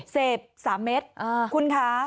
เสพ๓เม็ดคุณคะ